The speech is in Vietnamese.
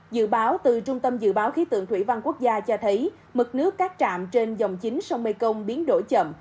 dự báo từ trung tâm dự báo khí tượng thủy văn quốc gia cho thấy mực nước các trạm trên dòng chính sông mekong biến đổi chậm